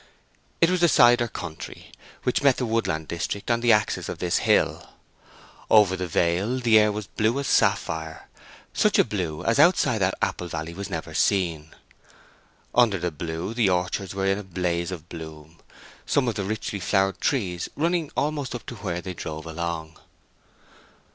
It was the cider country, which met the woodland district on the axis of this hill. Over the vale the air was blue as sapphire—such a blue as outside that apple valley was never seen. Under the blue the orchards were in a blaze of bloom, some of the richly flowered trees running almost up to where they drove along.